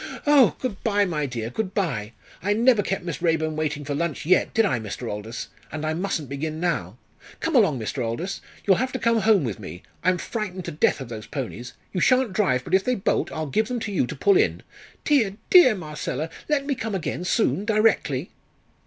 Oh! good bye, my dear, good bye. I never kept Miss Raeburn waiting for lunch yet, did I, Mr. Aldous? and I mustn't begin now. Come along, Mr. Aldous! You'll have to come home with me. I'm frightened to death of those ponies. You shan't drive, but if they bolt, I'll give them to you to pull in. Dear, dear Marcella, let me come again soon directly!"